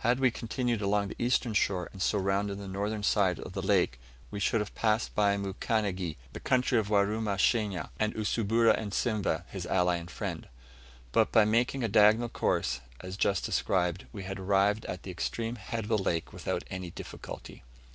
Had we continued along the eastern shore, and so round the northern side of the lake, we should have passed by Mukanigi, the country of Warumashanya, and Usumbura of Simveh, his ally and friend. But by making a diagonal course, as just described, we had arrived at the extreme head of the lake without any difficulty.